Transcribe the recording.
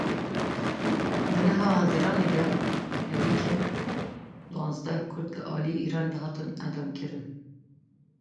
Di meha Hezîranê de herî kêm duwazdeh Kurd ji aliyê Îranê ve hatine îdamkirin.